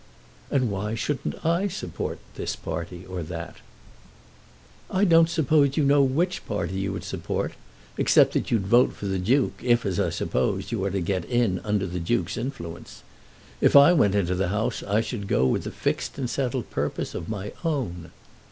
"And why shouldn't I support this party, or that?" "I don't suppose you know which party you would support, except that you'd vote for the Duke, if, as I suppose, you are to get in under the Duke's influence. If I went into the House I should go with a fixed and settled purpose of my own."